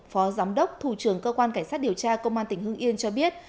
phó giám đốc thủ trưởng cơ quan cảnh sát điều tra công an tỉnh hương yên cho biết